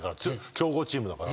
強豪チームだから。